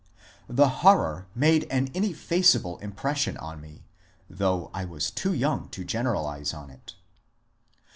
The horror made an ineffaceable impression on me, though I was too young to generalize on it.